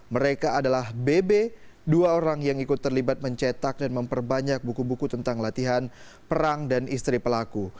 mereka adalah bebe dua orang yang ikut terlibat mencetak dan memperbanyak buku buku tentang latihan perang dan istri pelaku